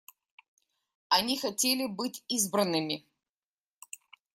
Они хотели быть избранными.